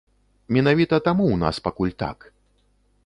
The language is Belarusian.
Менавіта таму ў нас пакуль так.